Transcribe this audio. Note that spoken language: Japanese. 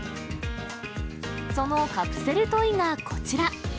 そのカプセルトイがこちら。